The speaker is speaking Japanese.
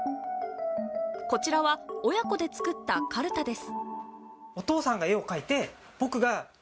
こちらは親子で作ったかるたです。